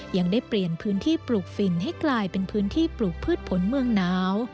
ยังได้เปลี่ยนพื้นที่ปลูกฝิ่นให้กลายเป็นพื้นที่ปลูกพืชผลเมืองหนาว